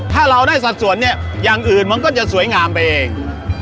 ถ้าเราได้สัดส่วนเนี่ยอย่างอื่นมันก็จะสวยงามไปเอง